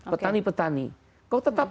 petani petani kau tetap